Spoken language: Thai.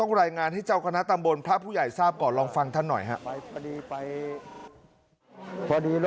ข้างก็ให้โยมครับทุกข้างมี